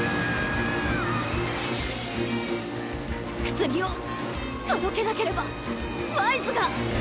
薬を届けなければワイズが！